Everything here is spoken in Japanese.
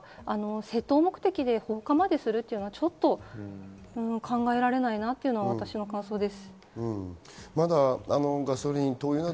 窃盗目的で放火までするというのは、ちょっと考えられないなと思います。